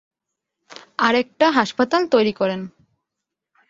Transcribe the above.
আর একটা হাসপাতাল তৈরি করেন।